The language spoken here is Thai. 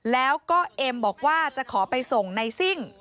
แล้วก็เอ็มบอกว่าจะขอไปส่งในซิ่ง